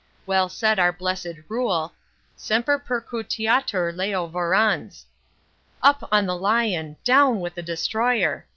Well said our blessed rule, 'Semper percutiatur leo vorans'.—Up on the lion! Down with the destroyer!"